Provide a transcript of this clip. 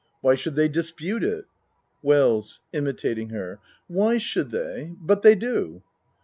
Why should they dispute it? WELLS (Imitating her.) Why should they but they do.